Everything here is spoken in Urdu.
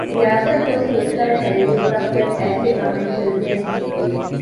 ریاست کو سوچنا چاہیے کہ کب تک ایسے ڈرامے چلتے رہیں گے